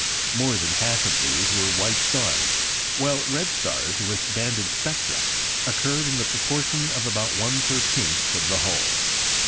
More than half of these were white stars, while red stars with banded spectra occurred in the proportion of about one thirteenth of the whole.